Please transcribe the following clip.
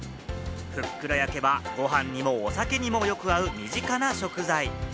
ふっくら焼けば、ご飯にもお酒にもよく合う身近な食材。